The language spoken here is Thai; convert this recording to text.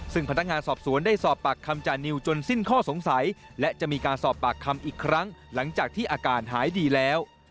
ซึ่งพนักงานสอบสวนได้สอบปากคำจานิวจนสิ้นข้อสงสัยและจะมีการสอบปากคำอีกครั้งหลังจากที่อาการหายดีแล้ว